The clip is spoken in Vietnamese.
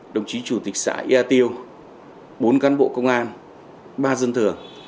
đồng chí chủ tịch xã yat tieu bốn cán bộ công an ba dân thường